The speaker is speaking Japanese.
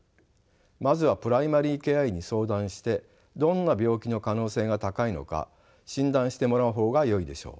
まずはプライマリケア医に相談してどんな病気の可能性が高いのか診断してもらう方がよいでしょう。